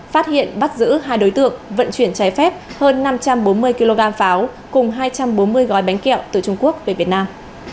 vận chuyển trái phép hơn năm trăm bốn mươi kg pháo cùng hai trăm bốn mươi gói bánh kẹo từ trung quốc về việt nam